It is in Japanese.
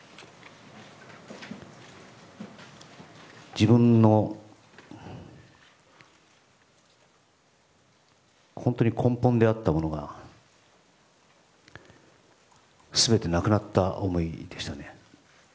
自分の根本であったものが全てなくなった思いでしたね。